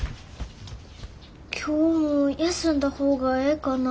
今日も休んだ方がええかな？